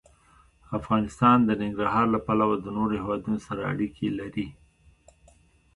افغانستان د ننګرهار له پلوه له نورو هېوادونو سره اړیکې لري.